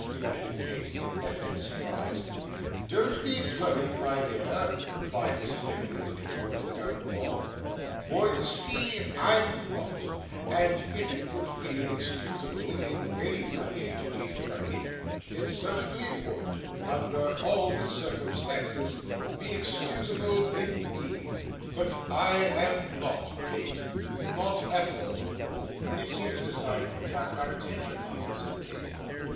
demanded Kate, in evident surprise. 'Don't be flurried, my dear,' replied Mrs. Nickleby, looking towards the garden wall, 'for you see I'm not, and if it would be excusable in anybody to be flurried, it certainly would under all the circumstances be excusable in me, but I am not, Kate not at all.' 'It seems designed to attract our attention, mama,' said Kate.